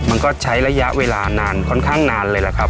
มันก็ใช้ระยะเวลานานค่อนข้างนานเลยล่ะครับ